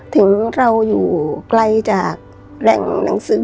ถึงเราอยู่ไกลจากแหล่งหนังสือ